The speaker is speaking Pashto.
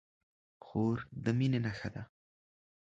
خور د مینې نښه ده.